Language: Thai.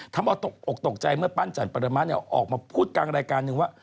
ทำออกตกใจเมื่อปั้นจันทร์ประมาณออกมาพูดกลางรายการนึงว่า